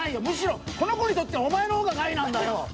むしろこの子にとってはお前の方が害なんだよ！